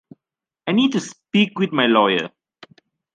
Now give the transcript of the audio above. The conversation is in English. I need to speak with my lawyer.